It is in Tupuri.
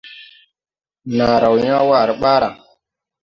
Naa raw yãã waare ɓaara.